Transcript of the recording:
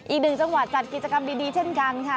อีกหนึ่งจังหวัดจัดกิจกรรมดีเช่นกันค่ะ